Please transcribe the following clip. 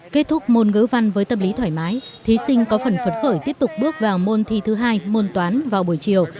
kết thúc môn ngữ văn với tâm lý thoải mái thí sinh có phần phấn khởi tiếp tục bước vào môn thi thứ hai môn toán vào buổi chiều